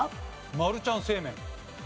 マルちゃん正麺。